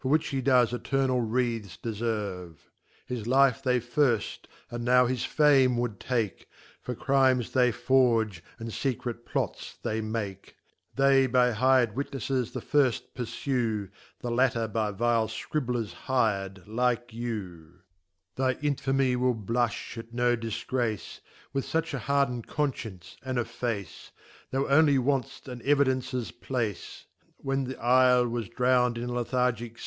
which he does Eternal wreaths deferve. His Life they firft, and now his Fame would take, For Crimes they forge, and fecret Plots they make. They by bird Witncffts the firjl phrftte, the latter by vile Scriblers bird lih^you. Thy Infamy will blufti at no difgrace, (With fuch a harden d Confcience, and a Face) Thou only want'ft an Evidences place. When trifle was drown'd in a Lethargick.